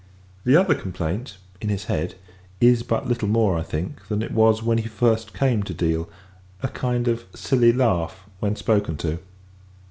The other complaint, in his head, is but little more, I think, than it was when he first came to Deal; a kind of silly laugh, when spoken to.